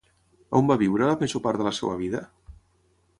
On va viure la major part de la seva vida?